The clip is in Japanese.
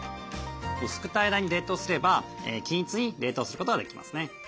薄く平らに冷凍すれば均一に冷凍することができますね。